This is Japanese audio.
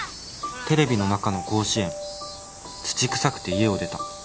「テレビの中の甲子園」「土臭くて家を出た」